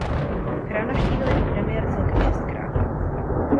Chrám navštívil jako premiér celkem šestkrát.